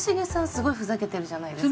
すごいふざけてるじゃないですか。